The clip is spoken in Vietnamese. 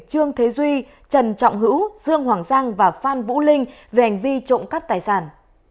trương thế duy trần trọng hữu dương hoàng giang và phan vũ linh về hành vi trộm cắp tài sản